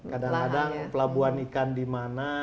kadang kadang pelabuhan ikan di mana